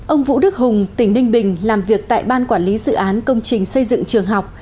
ông vũ đức hùng tỉnh ninh bình làm việc tại ban quản lý dự án công trình xây dựng trường học